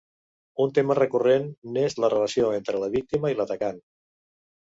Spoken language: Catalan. Un tema recurrent n'és la relació entre la víctima i l'atacant.